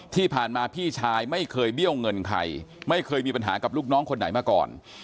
ที่ผ่านมาพี่ชายไม่เคยเบี้ยวเงินใครไม่เคยมีปัญหากับลูกน้องคนไหนมาก่อน